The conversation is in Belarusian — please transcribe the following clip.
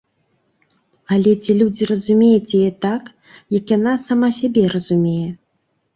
Але ці людзі разумеюць яе так, як яна сама сябе разумее?